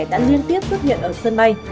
đã liên tiếp xuất hiện ở sân bay